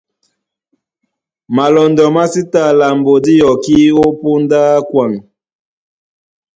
Malɔndɔ má sí ta lambo dí yɔkí ó póndá a kwaŋ.